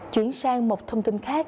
chuyển sang một thông tin khác